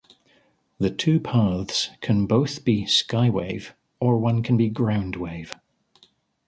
The two paths can both be skywave or one be groundwave.